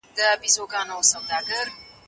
ذهن له ډېر کار وروسته ستړی شوی و.